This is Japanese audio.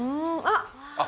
あっ！